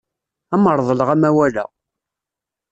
Ad am-reḍleɣ amawal-a.